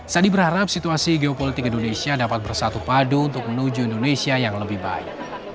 sandi berharap situasi geopolitik indonesia dapat bersatu padu untuk menuju indonesia yang lebih baik